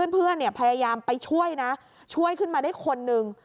พยายามไปช่วยนะช่วยขึ้นมาได้คนนึง